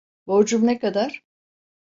Borcum ne kadar?